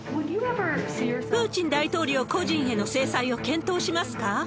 プーチン大統領個人への制裁を検討しますか？